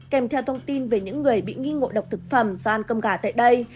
kèm theo thông tin về những người bị nghi ngộ độc thực phẩm do ăn cơm gà tại đây